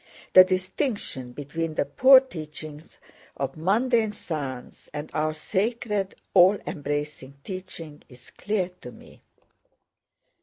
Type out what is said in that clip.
The distinction between the poor teachings of mundane science and our sacred all embracing teaching is clear to me.